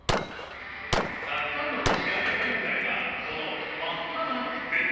たくさんの星がデザインされたこの真っ赤な靴。